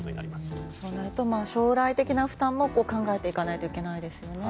そうなると将来的な負担も考えていかないといけないですね。